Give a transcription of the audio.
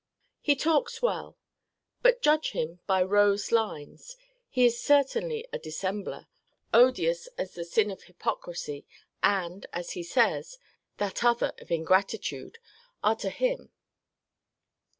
He talks well; but judge him by Rowe's lines, he is certainly a dissembler, odious as the sin of hypocrisy, and, as he says, that other of ingratitude, are to him.